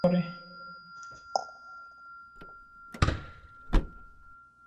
Burtonsville একটি বার্ষিক Burtonsville দিবস পালন করে, আইজ্যাক বার্টনের অস্তিত্ব উদযাপন করে।